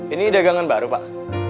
ini dagangan baru pak